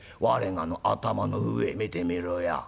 我がの頭の上見てみろや」。